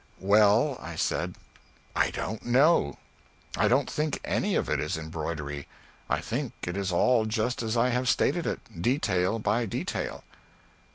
"Well," I said, "I don't know. I don't think any of it is embroidery. I think it is all just as I have stated it, detail by detail."